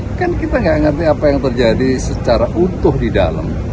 mungkin kita nggak ngerti apa yang terjadi secara utuh di dalam